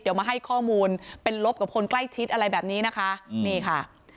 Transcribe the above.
เดี๋ยวมาให้ข้อมูลเป็นลบกับคนใกล้ชิดอะไรแบบนี้นะคะนี่ค่ะ